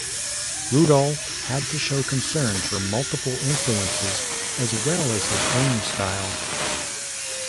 Rudolph had to show concern for multiple influences as well as his own style.